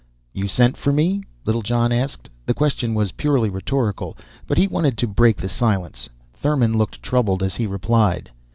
"You sent for me?" Littlejohn asked. The question was purely rhetorical, but he wanted to break the silence. Thurmon looked troubled as he replied.